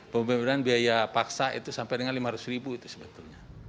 pemberian biaya paksa itu sampai dengan lima ratus ribu itu sebetulnya